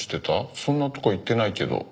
そんなとこ行ってないけど。